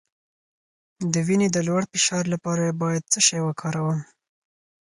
د وینې د لوړ فشار لپاره باید څه شی وکاروم؟